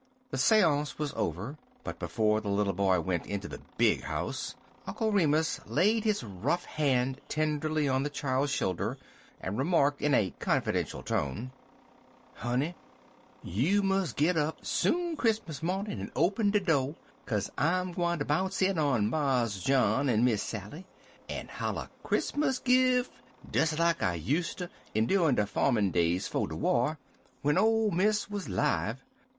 The seance was over; but, before the little boy went into the "big house," Uncle Remus laid his rough hand tenderly on the child's shoulder, and remarked, in a confidential tone: "Honey, you mus' git up soon Chris'mus mawnin' en open de do'; kase I'm gwineter bounce in on Marse John en Miss Sally, en holler 'Chris'mus gif'' des like I useter endurin' de farmin' days fo' de war, w'en ole Miss wuz 'live.